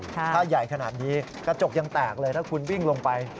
ถ้าใหญ่ขนาดนี้กระจกยังแตกเลยถ้าคุณวิ่งลงไป